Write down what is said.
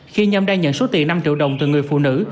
khi nhâm đang nhận số tiền năm triệu đồng từ người phụ nữ